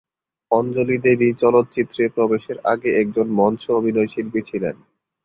অঞ্জলি দেবী চলচ্চিত্রে প্রবেশের আগে একজন মঞ্চ অভিনয়শিল্পী ছিলেন।